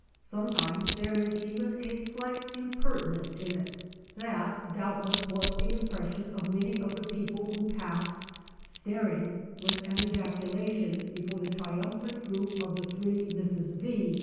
Sometimes there is even a slight impertinence in it; that, doubtless, was Vol. LXXV.â No. 449. 48 the impression of many of the people who passed, staring, with an ejaculation, be fore the triumphant group of the three Misses V.